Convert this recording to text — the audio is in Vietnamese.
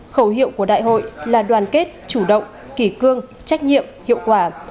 khẩu hiệu của đại hội là đoàn kết chủ động kỷ cương trách nhiệm hiệu quả